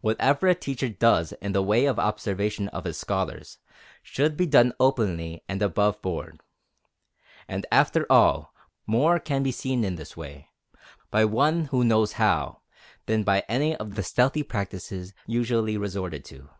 Whatever a teacher does in the way of observation of his scholars, should be done openly and aboveboard. And after all, more can be seen in this way, by one who knows how, than by any of the stealthy practices usually resorted to.